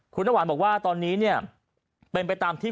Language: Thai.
คุณหวานบอกว่าตอนนี้เป็นไปตามที่